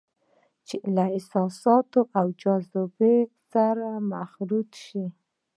چې له احساساتو او جذباتو سره مخلوطې شوې وي.